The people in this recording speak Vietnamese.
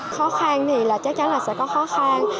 khó khăn thì là chắc chắn là sẽ có khó khăn